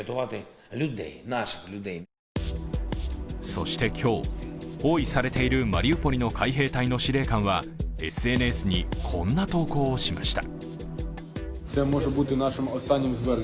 そして今日、包囲されているマリウポリの海兵隊の司令官はＳＮＳに、こんな投稿をしました。